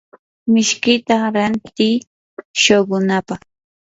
mishkita rantiiy shuqunapaq.